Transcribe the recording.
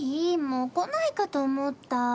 もう来ないかと思った。